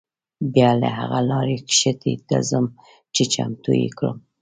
بیا له هغه لارې کښتۍ ته ځم چې چمتو یې کړم.